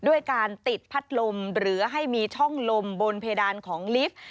ด้วยการติดพัดลมหรือให้มีช่องลมบนเพดานของลิฟต์